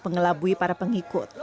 pengelabui para pengikut